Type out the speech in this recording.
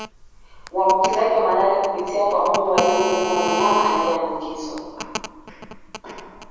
Uambukizaji wa malale kupitia kwa mbung'o waliomuuma mnyama aliyeambukizwa